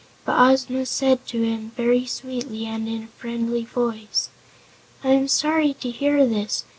But Ozma said to him, very sweetly and in a friendly voice: "I am sorry to hear this.